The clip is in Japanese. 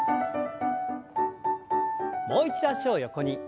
もう一度脚を横に。